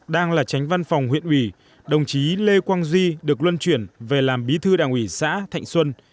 đang là tránh văn phòng huyện ủy đồng chí lê quang duy được luân chuyển về làm bí thư đảng ủy xã thạnh xuân